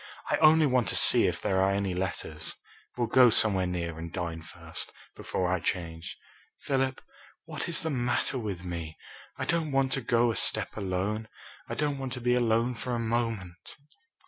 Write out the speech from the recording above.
I only want to see if there are any letters. We'll go somewhere near and dine first, before I change. Philip, what is the matter with me? I don't want to go a step alone. I don't want to be alone for a moment."